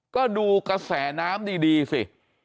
ก็ดูกระแสน้ำดีสิ